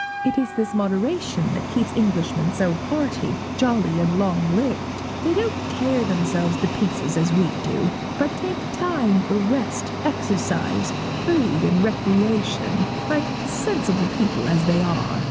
It is this moderation that keeps Englishmen so hearty, jolly, and long lived. They don't tear themselves to pieces as we do, but take time for rest, exercise, food, and recreation, like sensible people as they are.